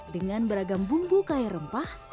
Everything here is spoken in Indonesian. dengan beragam bumbu kaya rempah